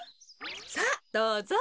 さあどうぞ。